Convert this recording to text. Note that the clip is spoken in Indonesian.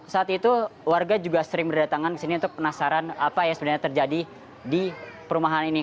saat itu warga juga sering berdatangan ke sini untuk penasaran apa yang sebenarnya terjadi di perumahan ini